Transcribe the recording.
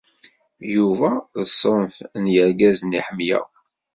Yuba d ṣṣenf n yirgazen i ḥemmleɣ.